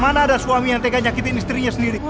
mana ada suami yang tega nyakitin istrinya sendiri